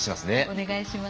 お願いします。